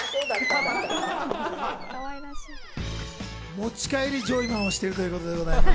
持ち帰りジョイマンをしているということでございます。